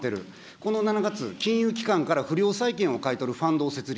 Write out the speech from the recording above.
この７月、金融機関から不良債権を買い取るファンドを設立。